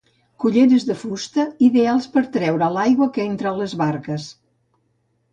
Culleres de fusta ideals per treure l'aigua que entra a les barques.